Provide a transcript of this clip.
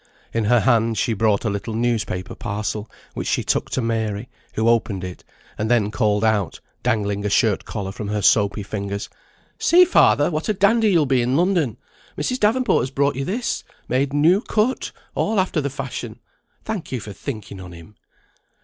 In her hand she brought a little newspaper parcel, which she took to Mary, who opened it, and then called out, dangling a shirt collar from her soapy fingers: "See, father, what a dandy you'll be in London! Mrs. Davenport has brought you this; made new cut, all after the fashion. Thank you for thinking on him."